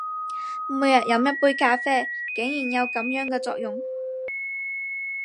每天飲一杯咖啡，竟然有噉樣嘅作用！